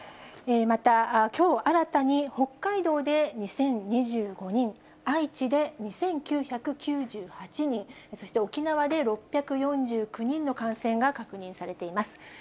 また、きょう新たに北海道で２０２５人、愛知で２９９８人、そして沖縄で６４９人の感染が確認されています。